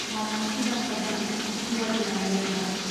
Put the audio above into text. معلوماتي بسته بندي د فکري ودې لامل دی.